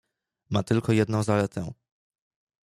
"Ma tylko jedną zaletę."